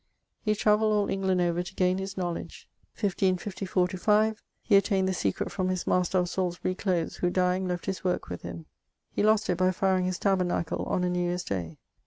He travailed all England over to gain his knowledge. 1554/5 He attained the secret from his master of Salisbury close, who dying left his worke with him. He lost it by fireing his tabernacle on a New Yeare's day.